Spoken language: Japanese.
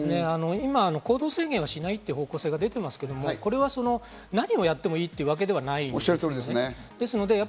行動制限はしないという方向性が出ていますが何をやってもいいというわけではないです。